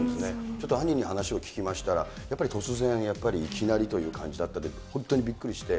ちょっと兄に話を聞きましたら、やっぱり突然、やっぱりいきなりという感じだったと、本当にびっくりして。